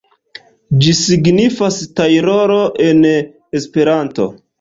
Ĝi signifas tajloro en Esperanto.